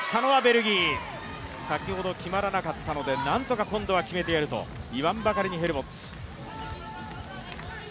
先ほど決まらなかったので、今度は何とか決めてやれと言わんばかりのヘルボッツ。